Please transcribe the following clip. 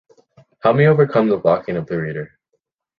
Help me overcome the blocking of the reader.